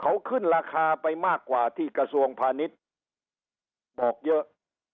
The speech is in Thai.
เขาขึ้นราคาไปมากกว่าที่กระทรวงพาณิชย์บอกเยอะ